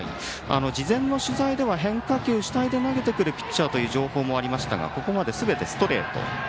事前の取材では変化球主体で投げてくるピッチャーという情報もありましたがここまですべてストレート。